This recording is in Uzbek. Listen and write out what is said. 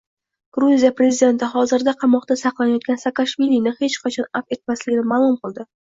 Gruziya prezidenti hozirda qamoqda saqlanayotgan Saakashvilini hech qachon afv etmasligini ma’lum qildi